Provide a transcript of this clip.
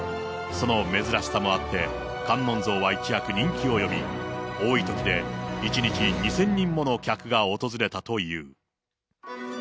その珍しさもあって、観音像は一躍人気を呼び、多いときで１日２０００人もの客が訪れたという。